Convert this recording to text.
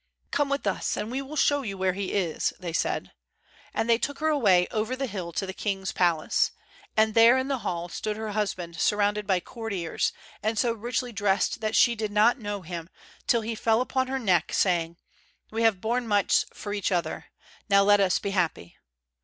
"Come with us, and we will show you where he is," they said; and they took her away over the hill to the king's palace, and there in the hall stood her husband surrounded by courtiers, and so richly dressed that she did not know him, till he fell upon her neck, saying: "We have borne much for each other, now let us be happy."